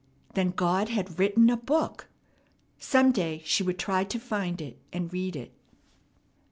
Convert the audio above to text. Then God had written a book! Some day she would try to find it and read it.